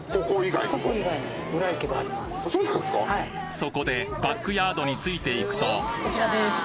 そこでバックヤードについていくとこちらです！